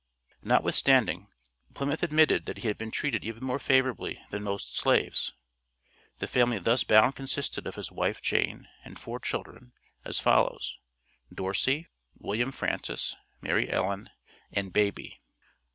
Notwithstanding, Plymouth admitted that he had been treated even more favorably than most slaves. The family thus bound consisted of his wife Jane, and four children, as follows: Dorsey, William Francis, Mary Ellen, and baby.